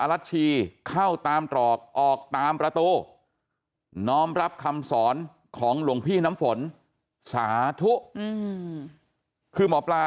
รัชชีเข้าตามตรอกออกตามประตูน้อมรับคำสอนของหลวงพี่น้ำฝนสาธุคือหมอปลา